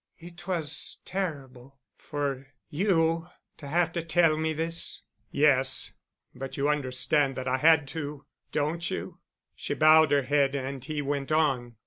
"It was terrible for you to have to tell me this." "Yes—but you understand that I had to, don't you?" She bowed her head and he went on.